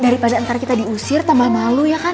daripada ntar kita diusir tambah malu ya kan